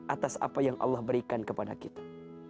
atas apa yang allah berikan kepada kita